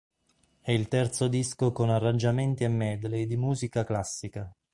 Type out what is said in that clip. È il terzo disco con arrangiamenti e medley di musica classica.